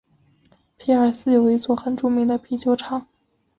皮尔斯有一座很著名的啤酒厂。